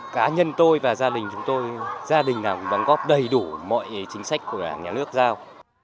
cá nhân tôi và gia đình chúng tôi gia đình nào cũng đóng góp đầy đủ mọi chính sách của đảng nhà nước giao